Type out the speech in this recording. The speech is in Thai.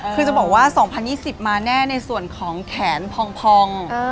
คือจะบอกว่า๒๐๒๐มาแน่ในส่วนของแขนพอง